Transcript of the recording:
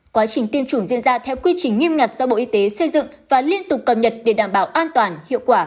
quá trình tiêm chủng diễn ra theo quy trình nghiêm ngặt do bộ y tế xây dựng và liên tục cập nhật để đảm bảo an toàn hiệu quả